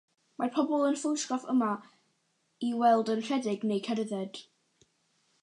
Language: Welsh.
Mae'r bobl yn y ffotograff yma i weld yn rhedeg neu'n cerdded.